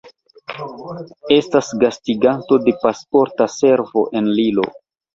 Estas gastiganto de Pasporta Servo en Lillo.